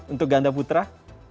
untuk ganda putra